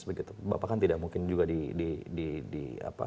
bapak kan tidak mungkin juga di apa